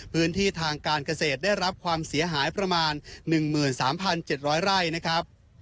พื้นที่ทางการเกษตรได้รับความเสียหายประมาณ๑๓๗๐๐ไร่นะครับ